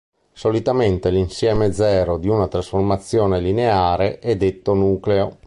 Solitamente l'insieme zero di una trasformazione lineare è detto nucleo.